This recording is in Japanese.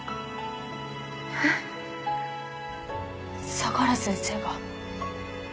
相良先生が。